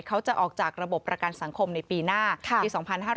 เขาจะออกจากระบบประกันสังคมในปีหน้าปี๒๕๕๙